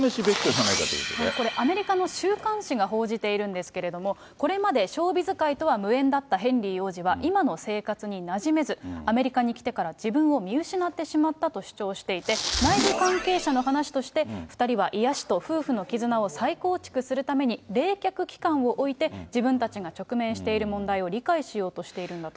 これ、アメリカの週刊誌が報じているんですけれども、これまでショービズ界とは無縁だったヘンリー王子は、今の生活になじめず、アメリカに来てから自分を見失ってしまったと主張していて、内部関係者の話として、２人は癒やしと夫婦のきずなを再構築するために、冷却期間を置いて、自分たちが直面している問題を理解しようとしているんだと。